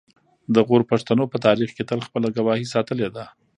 د غور پښتنو په تاریخ کې تل خپله خپلواکي ساتلې ده